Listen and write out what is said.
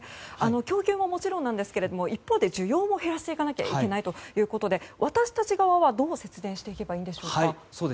供給ももちろんですが一方で需要も減らさないといけないということで私たち側はどう節電していけばいいんでしょうか。